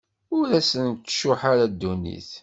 Ur asen-tcuḥḥ ara ddunit.